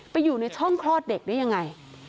อยู่ในช่องคลอดเด็กได้ยังไง